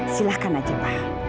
silahkan aja pak